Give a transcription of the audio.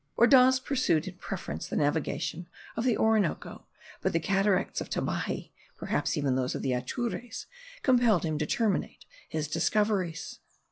Ordaz pursued in preference the navigation of the Orinoco, but the cataracts of Tabaje (perhaps even those of the Atures) compelled him to terminate his discoveries.